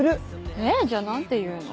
えじゃあ何て言うの？